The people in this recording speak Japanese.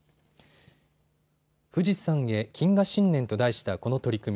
「富士さんへ謹賀新年」と題したこの取り組み。